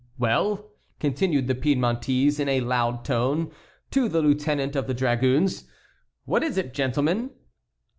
"Well!" continued the Piedmontese, in a loud tone, to the lieutenant of the dragoons. "What is it, gentlemen?"